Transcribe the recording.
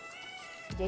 mereka sedang kacau